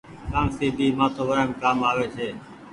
ڪآنگسي ڀي مآٿو وآئم ڪآم آوي ڇي۔